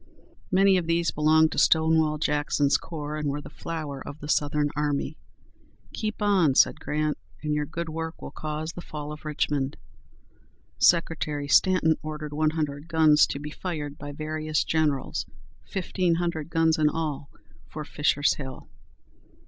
Many of these belonged to Stonewall Jackson's corps, and were the flower of the Southern army. "Keep on," said Grant, "and your good work will cause the fall of Richmond." Secretary Stanton ordered one hundred guns to be fired by various generals, fifteen hundred guns in all, for Fisher's Hill.